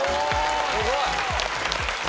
すごい！